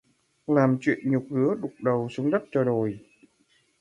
Làm chuyện nhục rứa đục đầu xuống đất cho rồi